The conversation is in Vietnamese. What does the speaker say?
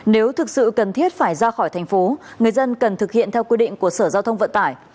nếu thực sự cần thiết phải ra khỏi thành phố người dân cần thực hiện theo quy định của sở giao thông vận tải